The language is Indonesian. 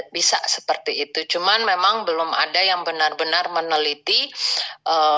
bisa bisa seperti itu cuma memang belum ada yang benar benar meneliti sampai masuk ke dalam rantai makanan misalnya ke manusianya